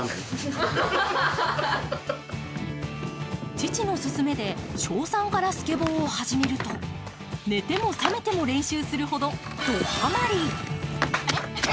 父の勧めで小３からスケボーを始めると寝ても覚めても練習するほどどハマり。